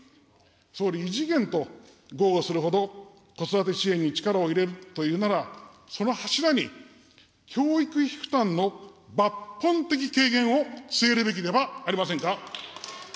総理、異次元と豪語するほど子育て支援に力を入れるというなら、その柱に教育費負担の抜本的軽減を据えるべきではありませんか。